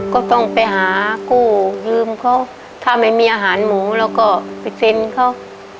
ก็ต้องไปหากู้ยืมเขาถ้าไม่มีอาหารหมูเราก็ไปเซ็นเขา